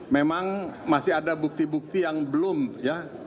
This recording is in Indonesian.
memang masih ada bukti bukti yang belum ya